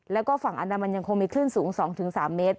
แล้วก็ฝั่งอันดามันยังคงมีคลื่นสูง๒๓เมตร